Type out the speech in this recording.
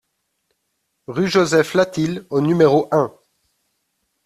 Rue Joseph Latil au numéro un